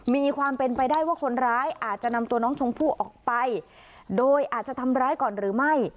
มีความเป็นไปได้ว่าคนร้ายอาจจะนำตัวน้องชมพู่ออกไปโดยอาจจะทำร้ายก่อนหรือไม่